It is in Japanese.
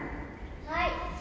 はい。